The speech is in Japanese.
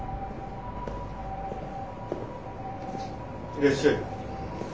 いらっしゃい。